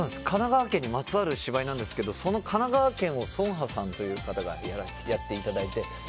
神奈川県にまつわる芝居なんですけどその神奈川県を成河さんという方がやっていただいて。